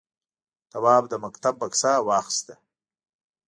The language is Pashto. تواب د مکتب بکسه واخیسته.